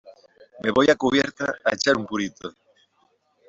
me voy a cubierta a echar un purito ,